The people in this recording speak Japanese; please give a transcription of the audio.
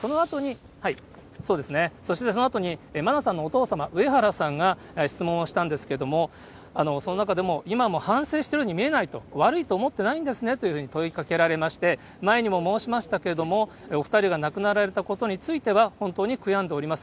そうですね、そしてそのあとに真菜さんのお父様、うえはらさんが質問をしたんですけども、その中でも今も反省しているように見えないと、悪いと思ってないんですねと問いかけられまして、前にも申しましたけれども、お２人が亡くなられたことについては、本当に悔やんでおります。